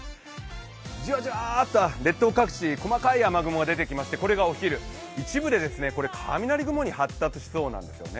じわじわと列島各地、細かい雨雲が出てきましてこれがお昼、一部で雷雲に発達しそうなんですね。